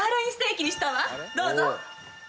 「どうぞ。